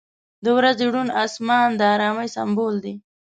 • د ورځې روڼ آسمان د آرامۍ سمبول دی.